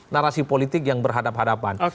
narasi politik yang berhadapan hadapan